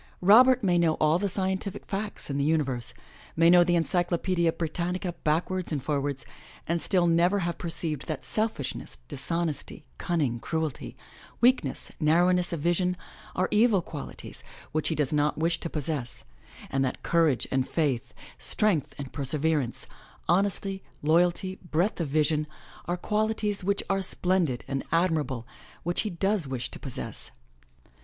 Robert may know all the scientific facts in the imiverse, may know the Encyclopedia Britannica backwards and forwards, and still never have per ceived that selfishness, dishonesty, cunning, cruelty, weakness, narrowness of vision, are evil qualities which he does not wish to possess, and that courage and faith, strength and perseverance, honesty, loyalty, breadth of vision, are qualities which are splendid and admirable, which he does wish to possess.